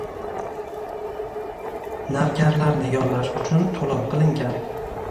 Navkarlarni yollash uchun toʻlov qilingan.